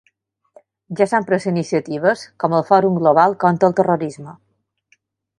Ja s'han pres iniciatives, com el Fòrum Global contra el Terrorisme.